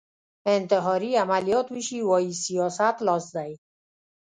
انتحاري عملیات وشي وايي سیاست لاس دی